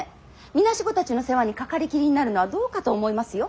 孤児たちの世話に掛かりきりになるのはどうかと思いますよ。